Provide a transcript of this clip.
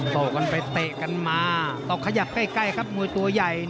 ต่อกันไปเตะกันมาต้องขยับใกล้ครับมวยตัวใหญ่